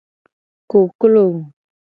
Koklo.